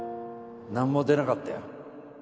何も出なかったよ